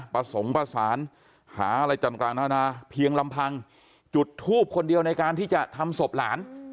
ประสงค์ประสานหาอะไรต่างนานาเพียงลำพังจุดทูบคนเดียวในการที่จะทำศพหลาน